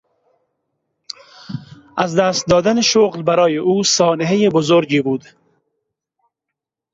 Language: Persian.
از دست دادن شغل برای او سانحهی بزرگی بود.